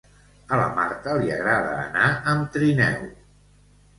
A la Marta li agrada anar amb trineu